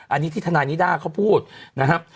อันนี้ที่ทนายนิด้าเขาพูดนะครับ